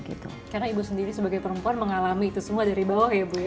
karena ibu sendiri sebagai perempuan mengalami itu semua dari bawah ya bu